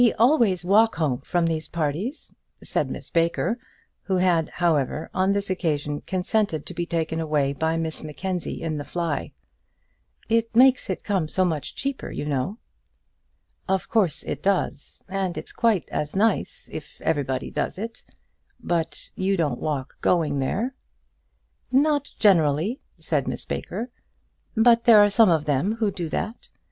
"We always walk home from these parties," said Miss Baker, who had, however, on this occasion, consented to be taken away by Miss Mackenzie in the fly. "It makes it come so much cheaper, you know." "Of course it does; and it's quite as nice if everybody does it. But you don't walk going there?" "Not generally," said Miss Baker; "but there are some of them who do that.